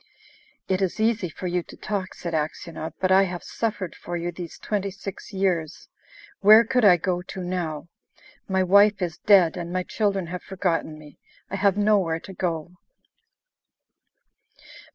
"It is easy for you to talk," said Aksionov, "but I have suffered for you these twenty six years. Where could I go to now?... My wife is dead, and my children have forgotten me. I have nowhere to go..."